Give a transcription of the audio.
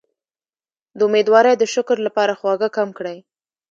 د امیدوارۍ د شکر لپاره خواږه کم کړئ